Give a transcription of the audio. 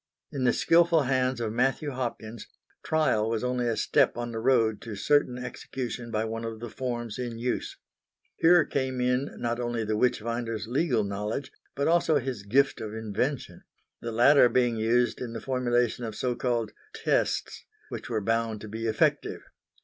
In the skilful hands of Matthew Hopkins, trial was only a step on the road to certain execution by one of the forms in use. Here came in, not only the witchfinder's legal knowledge, but also his gift of invention the latter being used in the formulation of so called "tests" which were bound to be effective.